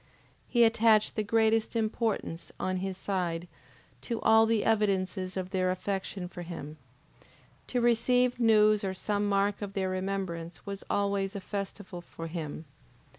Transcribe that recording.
He attached the greatest importance, on his side, to all the evidences of their affection for him. To receive news or some mark of their remembrance, was always a festival for him.